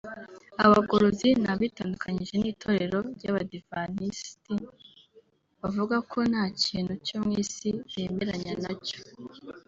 Abagorozi ni abitandukanyije n’itorero ry’abadivantisiti bavuga ko nta kintu cyo mu isi bemeranya nacyo